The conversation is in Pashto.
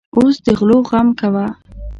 اوس د غلو غم کوه.